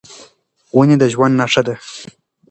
ونې د ژوند نښه ده.